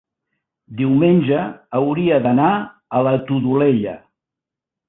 Diumenge hauria d'anar a la Todolella.